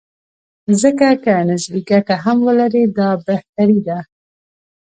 ځکه که نسبي ګټه هم ولري، دا بهتري ده.